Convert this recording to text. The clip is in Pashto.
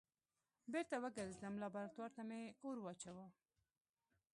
بېرته وګرځېدم لابراتوار ته مې اور واچوه.